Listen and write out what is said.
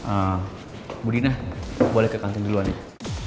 ehm budina boleh ke kantin duluan ya